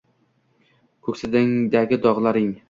«Koʼksingdagi dogʼlarning